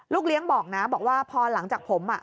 เลี้ยงบอกนะบอกว่าพอหลังจากผม